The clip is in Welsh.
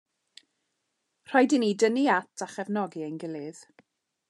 Rhaid i ni dynnu at a chefnogi ein gilydd.